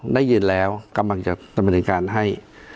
ได้ยินแล้วกำลังจะดำเนินการให้